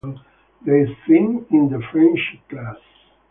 They sing in the french class.